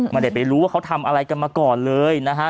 ไม่ได้ไปรู้ว่าเขาทำอะไรกันมาก่อนเลยนะฮะ